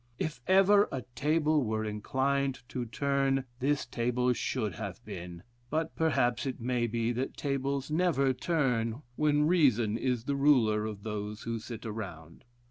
If ever a table were inclined to turn, this table should have been; but perhaps it may be that tables never turn when reason is the ruler of those who sit around.